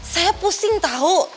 saya pusing tau